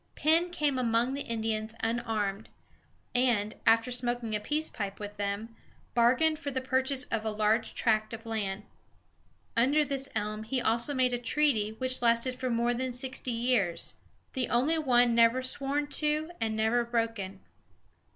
Penn came among the Indians unarmed, and, after smoking a peace pipe with them, bargained for the purchase of a large tract of land. Under this elm he also made a treaty which lasted for more than sixty years, "the only one never sworn to and never broken."